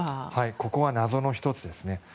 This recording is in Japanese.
ここは謎の１つですね。